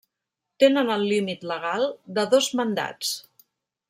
Tenen el límit legal de dos mandats.